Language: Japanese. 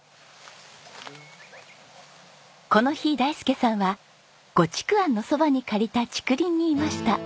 この日大介さんは伍竹庵のそばに借りた竹林にいました。